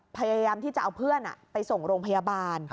พยายามที่จะเอาเพื่อนไปส่งโรงพยาบาล